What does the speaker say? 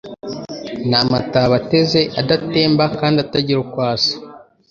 n'amataba ateze adatemba kandi atagira uko asa